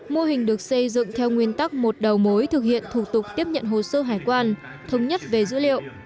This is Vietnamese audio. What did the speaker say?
mô hình được xây dựng theo nguyên tắc một đầu mối thực hiện thủ tục tiếp nhận hồ sơ hải quan thống nhất về dữ liệu